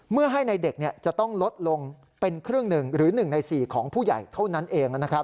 เมื่อให้ในเด็กจะต้องลดลงเป็นเครื่องหนึ่งรึหนึ่งในสี่ของผู้ใหญ่เอง